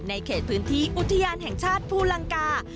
เขตพื้นที่อุทยานแห่งชาติภูลังกา